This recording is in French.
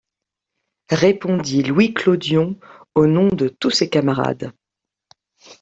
répondit Louis Clodion au nom de tous ses camarades.